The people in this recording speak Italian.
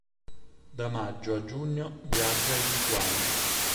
Da maggio a giugno viaggia in Lituania.